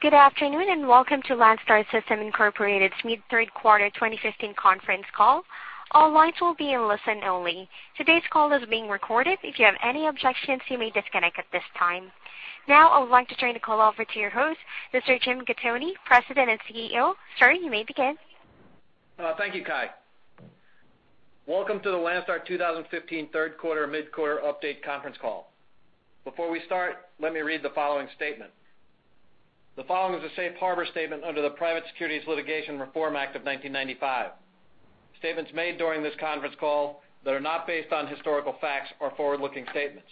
Good afternoon and welcome to Landstar System Incorporated's mid-third quarter 2015 conference call. All lines will be in listen only. Today's call is being recorded. If you have any objections, you may disconnect at this time. Now, I would like to turn the call over to your host, Mr. Jim Gattoni, President and CEO. Sir, you may begin. Thank you, Kai. Welcome to the Landstar 2015 third quarter mid-quarter update conference call. Before we start, let me read the following statement. The following is a safe harbor statement under the Private Securities Litigation Reform Act of 1995. Statements made during this conference call that are not based on historical facts or forward-looking statements.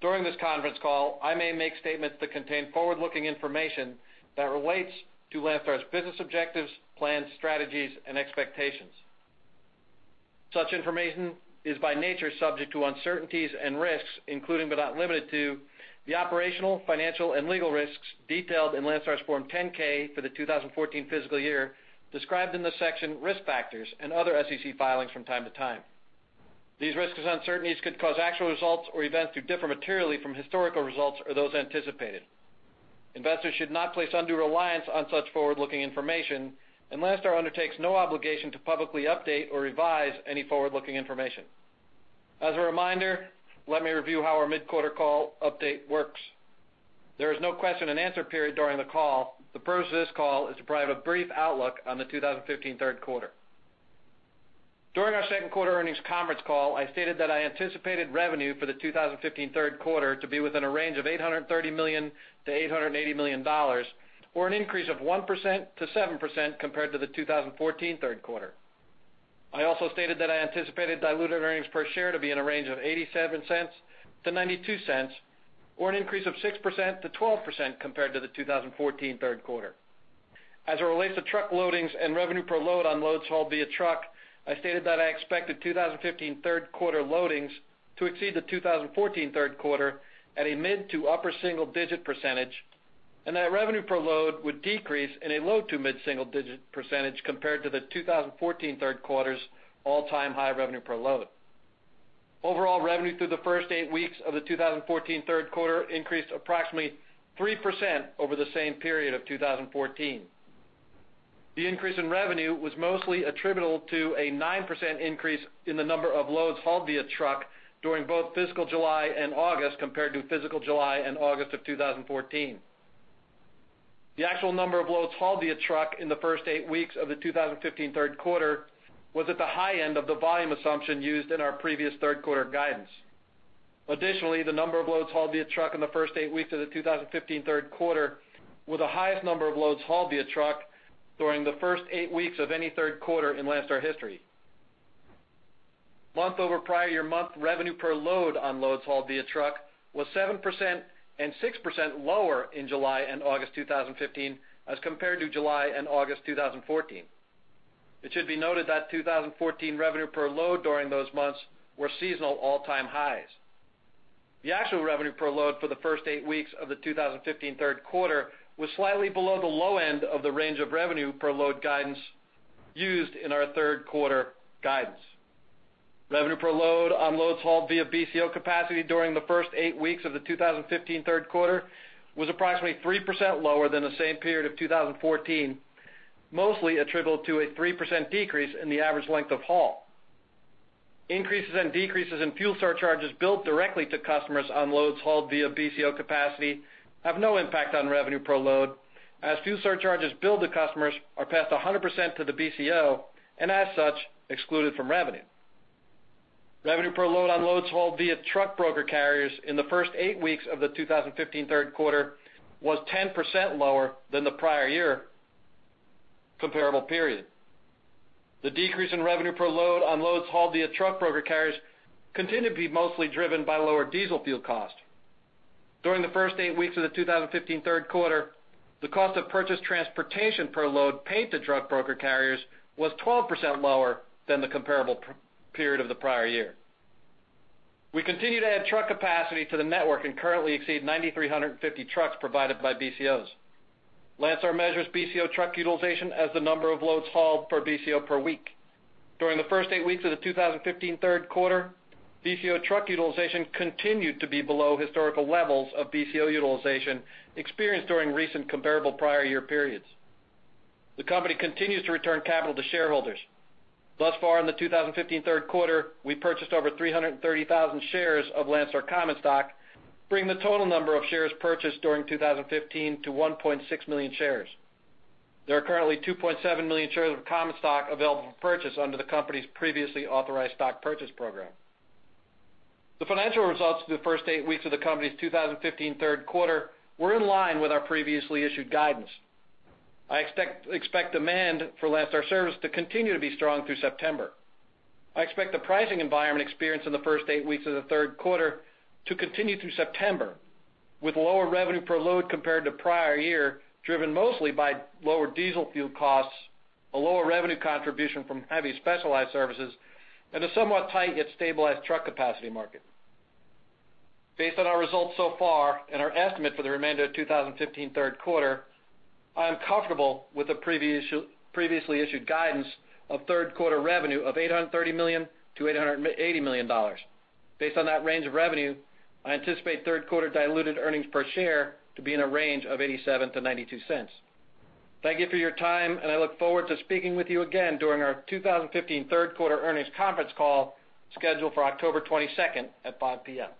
During this conference call, I may make statements that contain forward-looking information that relates to Landstar's business objectives, plans, strategies, and expectations. Such information is by nature subject to uncertainties and risks, including but not limited to the operational, financial, and legal risks detailed in Landstar's Form 10-K for the 2014 fiscal year, described in the section Risk Factors and other SEC filings from time to time. These risks and uncertainties could cause actual results or events to differ materially from historical results or those anticipated. Investors should not place undue reliance on such forward-looking information, and Landstar undertakes no obligation to publicly update or revise any forward-looking information. As a reminder, let me review how our mid-quarter call update works. There is no question and answer period during the call. The purpose of this call is to provide a brief outlook on the 2015 third quarter. During our second quarter earnings conference call, I stated that I anticipated revenue for the 2015 third quarter to be within a range of $830 million-$880 million or an increase of 1%-7% compared to the 2014 third quarter. I also stated that I anticipated diluted earnings per share to be in a range of $0.87-$0.92 or an increase of 6%-12% compared to the 2014 third quarter. As it relates to truck loadings and revenue per load on loads hauled via truck, I stated that I expected 2015 third quarter loadings to exceed the 2014 third quarter at a mid- to upper-single-digit %, and that revenue per load would decrease in a low- to mid-single-digit % compared to the 2014 third quarter's all-time high revenue per load. Overall revenue through the first eight weeks of the 2014 third quarter increased approximately 3% over the same period of 2014. The increase in revenue was mostly attributable to a 9% increase in the number of loads hauled via truck during both fiscal July and August compared to fiscal July and August of 2014. The actual number of loads hauled via truck in the first eight weeks of the 2015 third quarter was at the high end of the volume assumption used in our previous third quarter guidance. Additionally, the number of loads hauled via truck in the first eight weeks of the 2015 third quarter were the highest number of loads hauled via truck during the first eight weeks of any third quarter in Landstar history. Month-over-prior-year month, revenue per load on loads hauled via truck was 7% and 6% lower in July and August 2015 as compared to July and August 2014. It should be noted that 2014 revenue per load during those months were seasonal all-time highs. The actual revenue per load for the first eight weeks of the 2015 third quarter was slightly below the low end of the range of revenue per load guidance used in our third quarter guidance. Revenue per load on loads hauled via BCO capacity during the first eight weeks of the 2015 third quarter was approximately 3% lower than the same period of 2014, mostly attributable to a 3% decrease in the average length of haul. Increases and decreases in fuel surcharges billed directly to customers on loads hauled via BCO capacity have no impact on revenue per load, as fuel surcharges billed to customers are passed 100% to the BCO and, as such, excluded from revenue. Revenue per load on loads hauled via truck broker carriers in the first eight weeks of the 2015 third quarter was 10% lower than the prior year comparable period. The decrease in revenue per load on loads hauled via truck broker carriers continued to be mostly driven by lower diesel fuel cost. During the first eight weeks of the 2015 third quarter, the cost of purchased transportation per load paid to truck broker carriers was 12% lower than the comparable period of the prior year. We continue to add truck capacity to the network and currently exceed 9,350 trucks provided by BCOs. Landstar measures BCO truck utilization as the number of loads hauled per BCO per week. During the first eight weeks of the 2015 third quarter, BCO truck utilization continued to be below historical levels of BCO utilization experienced during recent comparable prior year periods. The company continues to return capital to shareholders. Thus far, in the 2015 third quarter, we purchased over 330,000 shares of Landstar Common Stock, bringing the total number of shares purchased during 2015 to 1.6 million shares. There are currently 2.7 million shares of Common Stock available for purchase under the company's previously authorized stock purchase program. The financial results through the first 8 weeks of the company's 2015 third quarter were in line with our previously issued guidance. I expect demand for Landstar service to continue to be strong through September. I expect the pricing environment experienced in the first 8 weeks of the third quarter to continue through September, with lower revenue per load compared to prior year driven mostly by lower diesel fuel costs, a lower revenue contribution from heavy specialized services, and a somewhat tight yet stabilized truck capacity market. Based on our results so far and our estimate for the remainder of 2015 third quarter, I am comfortable with the previously issued guidance of third quarter revenue of $830 million-$880 million. Based on that range of revenue, I anticipate third quarter diluted earnings per share to be in a range of $0.87-$0.92. Thank you for your time, and I look forward to speaking with you again during our 2015 third quarter earnings conference call scheduled for October 22nd at 5:00 P.M.